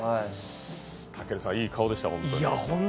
たけるさん、いい顔でした、本当に。